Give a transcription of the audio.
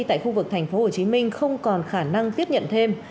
tại khu vực tp hcm không còn khả năng tiếp nhận thêm